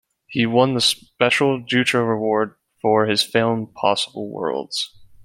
He won the Special Jutra Award for his film "Possible Worlds".